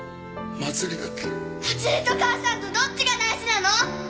祭りと母さんとどっちが大事なの？